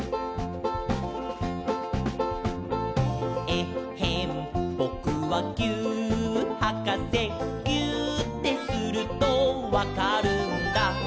「えっへんぼくはぎゅーっはかせ」「ぎゅーってするとわかるんだ」